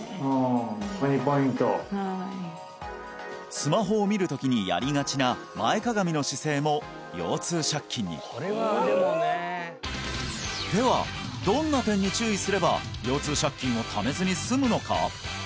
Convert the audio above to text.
スマホを見るときにやりがちな前かがみの姿勢も腰痛借金にではどんな点に注意すれば腰痛借金をためずに済むのか？